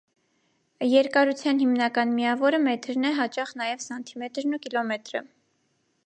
Երկարութեան հիմնական միաւորը մեթրն է, յաճախ նաեւ՝ սանթիմեթրն ու քիլօմեթրը։